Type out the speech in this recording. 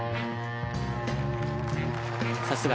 さすが。